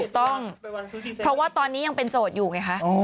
ถูกต้องเพราะว่าตอนนี้ยังเป็นโจทย์อยู่ไงคะ